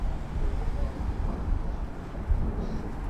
Su cuerpo estaba mutilado con signos de tortura.